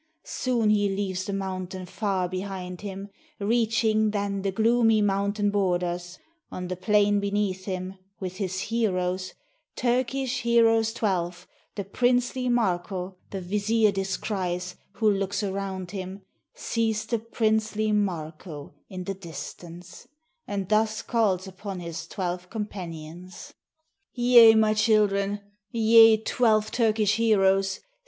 Soon he leaves the mountain far behind him : Reaching then the gloomy mountain borders; On the plain beneath him, with his heroes — Turkish heroes twelve, the princely Marko The vizier descries, who looks around him, Sees the princely Marko in the distance, And thus calls upon his twelve companions: "Ye, my children! ye, twelve Turkish heroes!